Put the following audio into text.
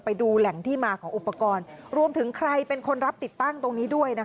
ไปดูแหล่งที่มาของอุปกรณ์รวมถึงใครเป็นคนรับติดตั้งตรงนี้ด้วยนะคะ